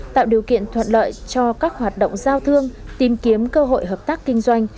tạo điều kiện thuận lợi cho các hoạt động giao thương tìm kiếm cơ hội hợp tác kinh doanh